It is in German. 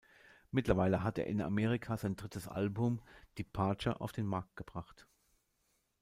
Mittlerweile hat er in Amerika sein drittes Album, "Departure", auf den Markt gebracht.